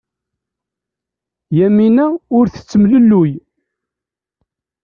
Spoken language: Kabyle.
Yamina ur tettemlelluy.